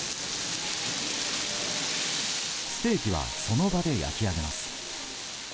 ステーキはその場で焼き上げます。